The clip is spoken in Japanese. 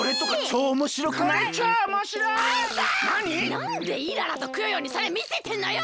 なんでイララとクヨヨにそれみせてんのよ！